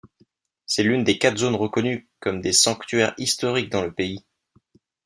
C'est l'une des quatre zones reconnues comme des sanctuaires historiques dans le pays.